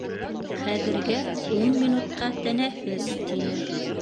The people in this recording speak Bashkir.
Хәҙергә ун минутҡа тәнәфес, - тине.